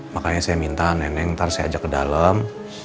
makanya saya minta neneng ntar saya ajak ke dalem